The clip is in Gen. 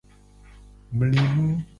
Mli nu.